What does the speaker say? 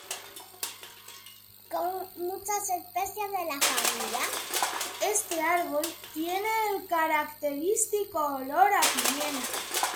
Como muchas especies de la familia, este árbol tiene el característico olor a pimienta.